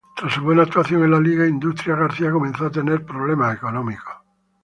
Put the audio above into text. Tras su buena actuación en la liga, Industrias García comenzó a tener problemas económicos.